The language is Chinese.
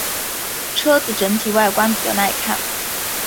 车子整体外观比较耐看。